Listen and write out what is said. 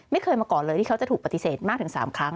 ไม่เคยมาก่อนเลยที่เขาจะถูกปฏิเสธมากถึง๓ครั้ง